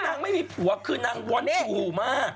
สตรงนั้นว่านางคือนางวาสมูทมาก